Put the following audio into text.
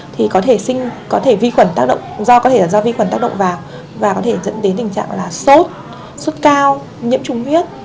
thì có thể do vi khuẩn tác động vào và dẫn đến tình trạng sốt sốt cao nhiễm trùng huyết